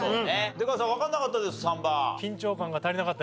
出川さんわかんなかったですか？